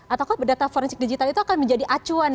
atau data forensik digital itu akan menjadi acuan